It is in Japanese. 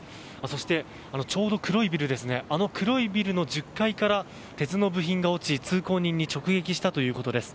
そして、ちょうどあの黒いビルの１０階から鉄の部品が落ち通行人に直撃したということです。